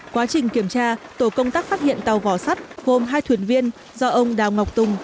quá trình kiểm tra tổ công tác phát hiện tàu vỏ sắt gồm hai thuyền viên do ông đào ngọc tùng